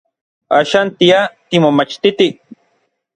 Axan tia timomachtiti.